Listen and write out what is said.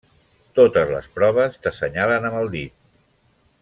Totes les proves t'assenyalen amb el dit.